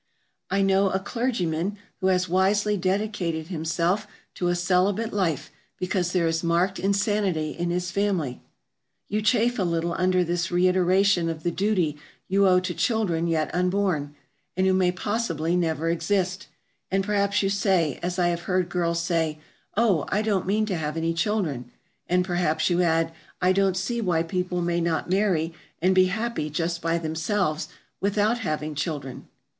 I know a clergyman who has wisely dedicated himself to a celibate life because there is marked insanity in his family. You chafe a little under this reiteration of the duty you owe to children yet unborn, and who may possibly never exist, and perhaps you say, as I have heard girls say, "Oh, I don't mean to have any children;" and perhaps you add, "I don't see why people may not marry and be happy just by themselves without having children."